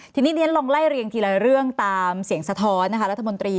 ทีนี้เรียนลองไล่เรียงทีละเรื่องตามเสียงสะท้อนนะคะรัฐมนตรี